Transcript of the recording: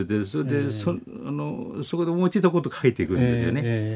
それでそこで思いついたことを書いていくんですよね。